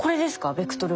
ベクトルは。